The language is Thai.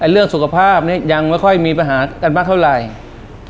เรื่องสุขภาพเนี่ยยังไม่ค่อยมีปัญหากันมากเท่าไหร่